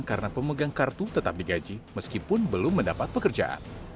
karena pemegang kartu tetap digaji meskipun belum mendapat pekerjaan